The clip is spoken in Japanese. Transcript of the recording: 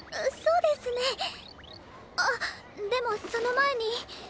あっでもその前に。